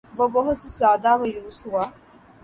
وہ بہت زیادہ مایوس ہوا